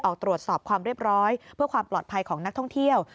ออกตรวจสอบความเรียบร้อยเพื่อความปลอดภัยของนักท่องเที่ยว